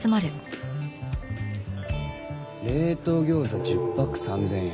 冷凍餃子１０パック３０００円。